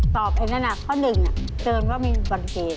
ตอบให้ได้นะข้อหนึ่งเตือนว่ามีอุบัติเหตุ